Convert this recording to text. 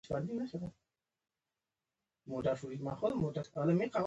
د شپې په اته نهه بجو بې ویرې سفر.